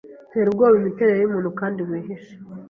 Tera ubwoba imiterere yumuntu Kandi Wihishe